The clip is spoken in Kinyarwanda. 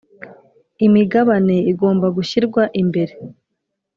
Imigabane igomba gushyirwa imbere